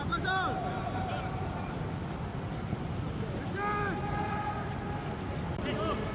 dan kemudian menangis dengan berat